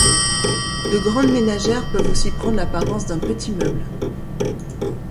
De grandes ménagères peuvent aussi prendre l'apparence d'un petit meuble.